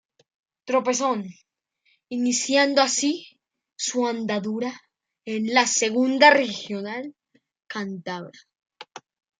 Tropezón, iniciando así su andadura en la Segunda Regional cántabra.